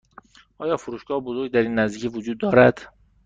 آیا فروشگاه بزرگ در این نزدیکی وجود دارد؟